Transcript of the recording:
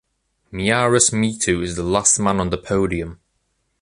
Marius Mitu is the last man on the podium.